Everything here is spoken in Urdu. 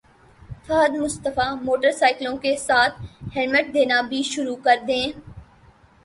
فہد مصطفی موٹر سائیکلوں کے ساتھ ہیلمٹ دینا بھی شروع کردیں